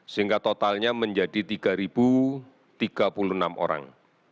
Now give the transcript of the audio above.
sehingga totalnya menjadi tiga tiga puluh enam orang